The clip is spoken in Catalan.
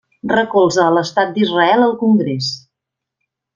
Recolza a l'estat d'Israel al Congrés.